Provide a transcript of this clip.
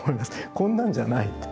こんなんじゃないって。